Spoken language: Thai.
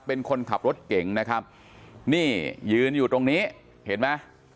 เป็นคนขับรถเก่งนะครับนี่ยืนอยู่ตรงนี้เห็นไหม